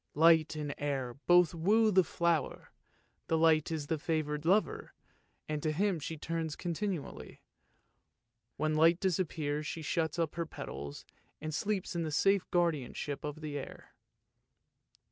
Light and air both woo the flower, but light is the favoured lover, and to him she turns con tinually; when light disappears she shuts up her petals and sleeps in the safe guardianship of air.